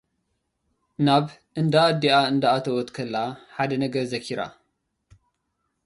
ናብ ኣዲኣ እናደወለት ከላ፡ ሓደ ነገር ዘኪራ።